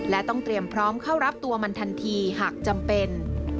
และต้องเตรียมพร้อมเข้ารับตัวมันทันทีหากจำเป็น